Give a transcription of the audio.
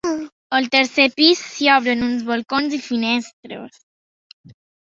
Al tercer pis s'hi obren uns balcons i finestres.